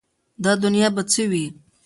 دا دنیا به څه وي ؟